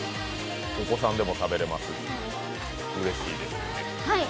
お子さんでも食べれます、うれいしですね。